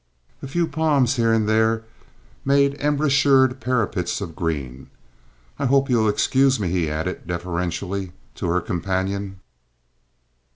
A few palms here and there made embrasured parapets of green. "I hope you'll excuse me," he added, deferentially, to her companion.